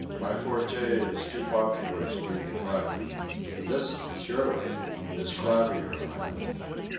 My forte is too popular to be neglected. This, surely, is Clavierland!"